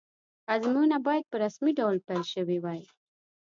ازموینه باید په رسمي ډول پیل شوې وی.